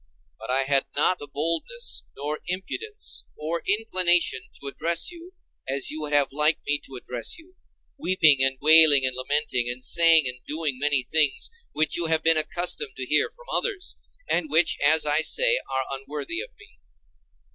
But I had not the boldness or impudence or inclination to address you as you would have liked me to address you, weeping and wailing and lamenting, and saying and doing many things which you have been accustomed to hear from others, and which, as I say, are unworthy of me.